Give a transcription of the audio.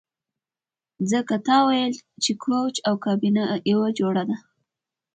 ځکه تا ویل چې کوچ او کابینه یوه جوړه ده